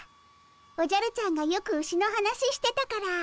おじゃるちゃんがよくウシの話してたから。